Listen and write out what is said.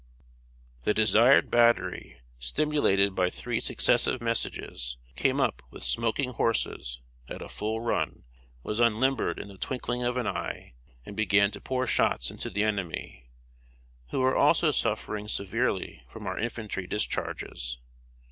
] The desired battery, stimulated by three successive messages, came up with smoking horses, at a full run, was unlimbered in the twinkling of an eye, and began to pour shots into the enemy, who were also suffering severely from our infantry discharges.